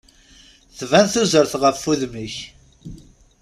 Tban tuzert ɣef udem-ik.